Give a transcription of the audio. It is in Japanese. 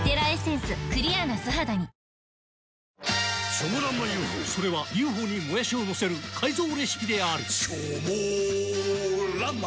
チョモランマＵ．Ｆ．Ｏ．それは「Ｕ．Ｆ．Ｏ．」にもやしをのせる改造レシピであるチョモランマ